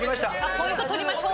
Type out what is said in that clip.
ポイント取りましょう。